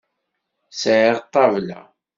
Sɛiɣ ṭṭabla.